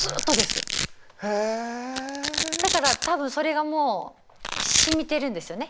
だから多分それがもう染みてるんですよね